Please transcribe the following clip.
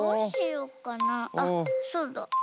あっそうだ。